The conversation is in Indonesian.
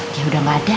dia udah gak ada